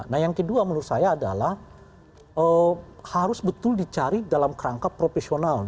nah yang kedua menurut saya adalah harus betul dicari dalam kerangka profesional